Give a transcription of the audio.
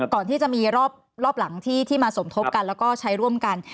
ก่อนที่จะมีรอบหลังที่มาสมทบกันแล้วก็ใช้ร่วมกัน